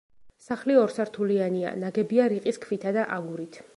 სახლი ორსართულიანია ნაგებია რიყის ქვითა და აგურით.